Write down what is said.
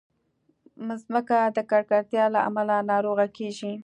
مځکه د ککړتیا له امله ناروغه کېږي.